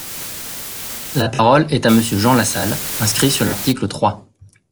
La parole est à Monsieur Jean Lassalle, inscrit sur l’article trois.